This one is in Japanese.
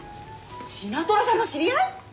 シナトラさんの知り合い？